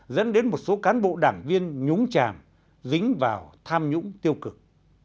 dẫn đến một số cán bộ đảng viên nhúng chàm dính vào tham nhũng tiêu cực